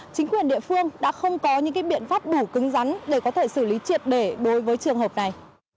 chính quyền địa phương đã không có những biện pháp đủ cứng rắn để có thể xử lý triệt để đối với trường hợp này